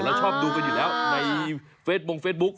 เราชอบดูกันอยู่แล้วในเฟสบุ๊ค